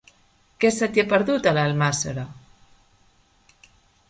Què se t'hi ha perdut, a Almàssera?